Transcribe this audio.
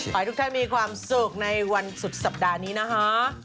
ให้ทุกท่านมีความสุขในวันสุดสัปดาห์นี้นะคะ